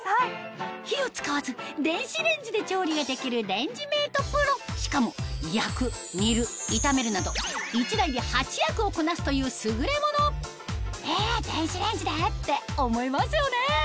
火を使わず電子レンジで調理ができるしかも焼く煮る炒めるなど１台で８役をこなすという優れものえ電子レンジで？って思いますよね